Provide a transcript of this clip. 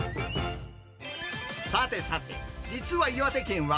さてさて、実は岩手県は、